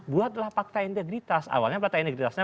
buatlah fakta integritas awalnya fakta integritasnya